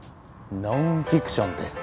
ノンフィクションです。